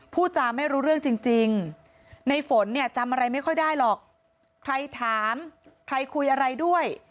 พูดจาไม่รู้เรื่องจริงในฝนเนี่ยจำอะไรไม่ค่อยได้หรอกใครถามใครคุยอะไรด้วย